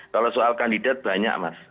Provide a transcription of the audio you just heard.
kalau soal kandidat banyak mas